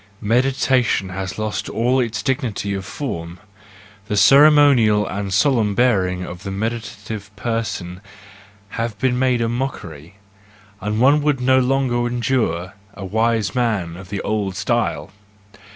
—Meditation has lost all its dignity of form; the ceremonial and solemn bearing of the meditative person have been made a mockery, and one would no longer endure a wise man of the old style.